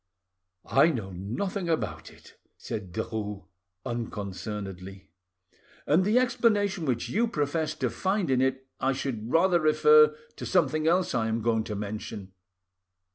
"I know nothing about it," said Derues unconcernedly, "and the explanation which you profess to find in it I should rather refer to something else I am going to mention.